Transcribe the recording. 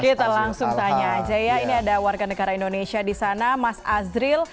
kita langsung tanya aja ya ini ada warga negara indonesia di sana mas azril